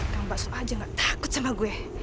kan mbak soe aja gak takut sama gue